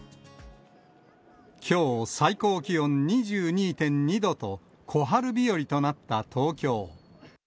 きょう、最高気温２２．２度と、小春日和となった東京。